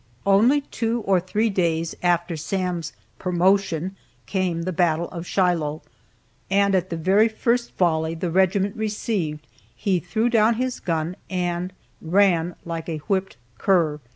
Only two or three days after Sam's "promotion," came the battle of Shiloh, and at the very first volley the regiment received, he threw down his gun, and ran like a whipped cur.